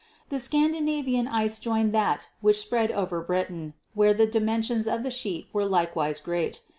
The Scan dinavian ice joined that which spread over Britain, where the dimensions of the sheet were likewise great.